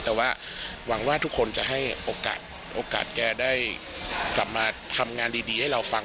แต่ว่าหวังว่าทุกคนจะให้โอกาสแกได้กลับมาทำงานดีให้เราฟัง